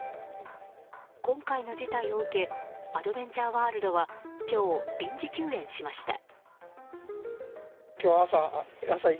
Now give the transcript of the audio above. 今回の事態を受けアドベンチャーワールドは今日、臨時休園しました。